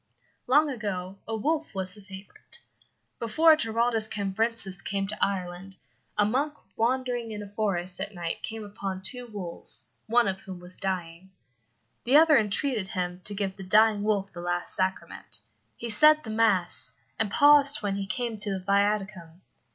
Long ago a wolf was the favourite. Before Giraldus Cambrensis came to Ireland, a monk wandering in a forest at night came upon two wolves, one of whom was dying. The other entreated him to give the dying wolf the last sacrament. He said the mass, and paused when he came to the viaticum.